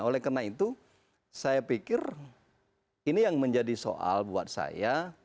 oleh karena itu saya pikir ini yang menjadi soal buat saya